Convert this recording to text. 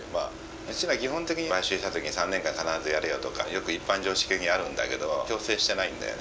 うちは基本的に買収した時に３年間必ずやれよとかよく一般常識的にあるんだけど強制してないんだよね。